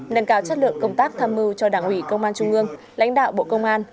nâng cao chất lượng công tác tham mưu cho đảng ủy công an trung ương lãnh đạo bộ công an